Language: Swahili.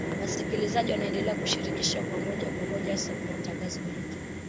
Wasikilizaji waendelea kushiriki moja kwa moja hasa katika matangazo yetu